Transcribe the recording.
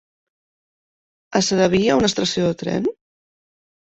A Sedaví hi ha estació de tren?